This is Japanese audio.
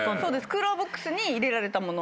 クーラーボックスに入れられたもの。